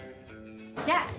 じゃあ。